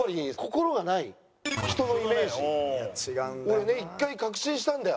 俺ね一回確信したんだよ。